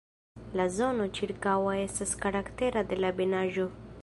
La zono ĉirkaŭa estas karaktera de la ebenaĵo.